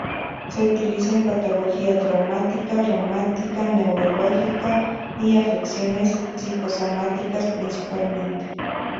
Se utiliza en patología traumática, reumática, neurológica y afecciones psico-somáticas principalmente.